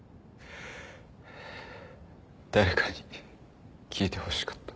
誰かに聞いてほしかった。